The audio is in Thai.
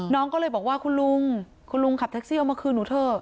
น้องก็เลยบอกว่าคุณลุงคุณลุงขับแท็กซี่เอามาคืนหนูเถอะ